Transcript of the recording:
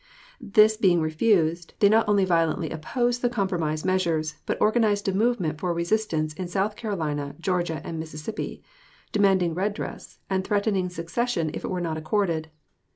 This being refused, they not only violently opposed the compromise measures, but organized a movement for resistance in South Carolina, Georgia, and Mississippi, demanding redress, and threatening secession if it were not accorded.